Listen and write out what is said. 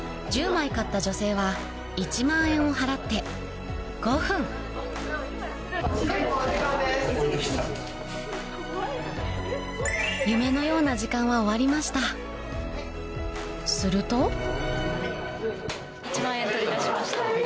１０枚買った女性は１万円を払って５分夢のような時間は終わりましたすると取り出しました。